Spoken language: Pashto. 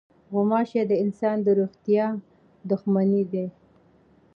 غوماشې د انسان د روغتیا دښمنې دي.